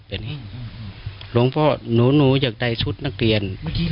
หนูรู้อยากได้สุดนับเรียน